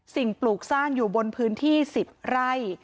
ปลูกสร้างอยู่บนพื้นที่๑๐ไร่